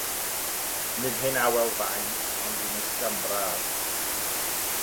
Nid hen awel fain, ond un ysgafn braf.